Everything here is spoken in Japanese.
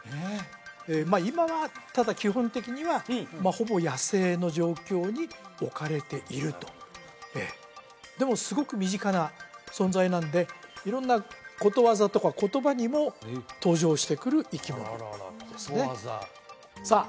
まあ今はただ基本的にはほぼ野生の状況に置かれているとええでもすごく身近な存在なんで色んなことわざとか言葉にも登場してくる生き物ですねさあ